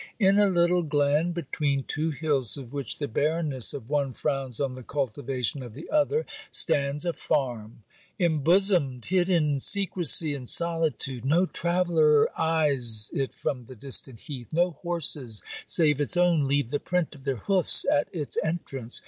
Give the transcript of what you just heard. In a little glen, between two hills of which the barrenness of one frowns on the cultivation of the other, stands a farm, embosomed hid in secresy and solitude. No traveller eyes it from the distant heath. No horses, save its own, leave the print of their hoofs at its entrance.